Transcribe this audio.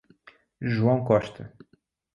João Costa